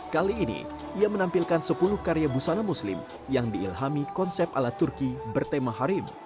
kali ini ia menampilkan sepuluh karya busana muslim yang diilhami konsep ala turki bertema harim